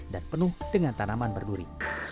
dan penuh dengan tanaman berduri